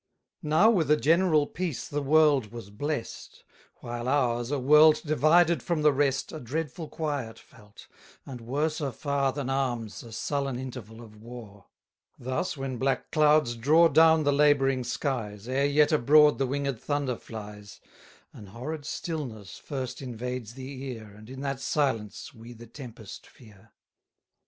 Now with a general peace the world was blest, While ours, a world divided from the rest, A dreadful quiet felt, and worser far Than arms, a sullen interval of war: Thus when black clouds draw down the labouring skies, Ere yet abroad the winged thunder flies, An horrid stillness first invades the ear, And in that silence we the tempest fear.